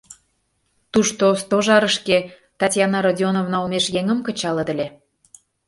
Тушто Стожарышке Татьяна Родионовна олмеш еҥым кычалыт ыле.